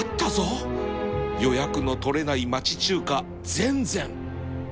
予約の取れない町中華珍珍